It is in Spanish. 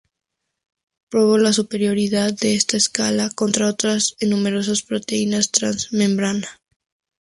Probó la superioridad de esta escala contra otras en numerosas proteínas transmembrana.